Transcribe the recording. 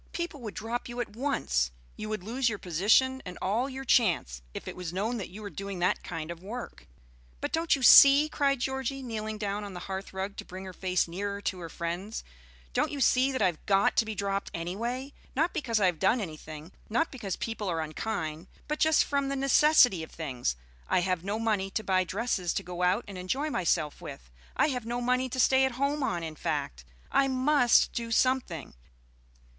People would drop you at once; you would lose your position and all your chance, if it was known that you were doing that kind of work." "But don't you see," cried Georgie, kneeling down on the hearth rug to bring her face nearer to her friend's, "don't you see that I've got to be dropped any way? Not because I have done anything, not because people are unkind, but just from the necessity of things. I have no money to buy dresses to go out and enjoy myself with. I have no money to stay at home on, in fact, I must do something.